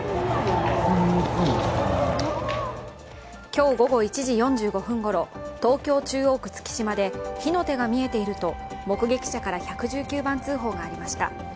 今日午後１時４５分ごろ東京・中央区月島で火の手が見えていると目撃者から１１９番通報がありました。